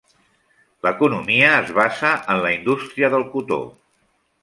L'economia es basa en la indústria del cotó.